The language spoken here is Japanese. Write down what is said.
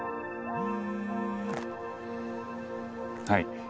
はい。